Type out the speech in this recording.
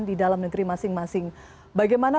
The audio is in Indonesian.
di dalam negeri masing masing bagaimana